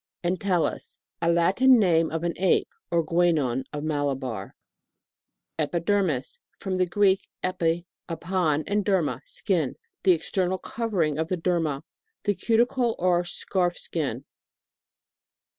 ENTELLUS. Latin name of an Apo, or Guenon of Malabar. EPIDERMIS. From the Greek, epi, upon, and derma, skin. The ex ternal covering of the derma. The cuticle or scarf skin.